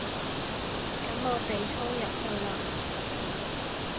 噉我哋衝入去啦